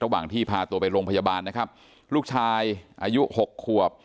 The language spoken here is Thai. ระหว่างที่พาตัวไปโรงพยาบาลนะครับลูกชายอายุหกขวบ